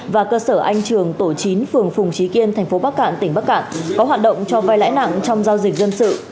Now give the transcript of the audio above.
và cơ sở anh trường tổ chín phường phùng trí kiên thành phố bắc cạn tỉnh bắc cạn có hoạt động cho vai lãi nặng trong giao dịch dân sự